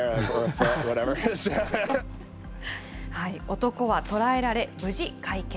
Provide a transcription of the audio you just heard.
男は捕らえられ、無事解決。